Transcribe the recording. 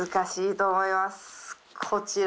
こちら。